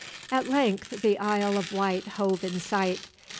At length the Isle of Wight hove in sight.